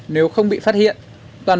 nếu không bị phát hiện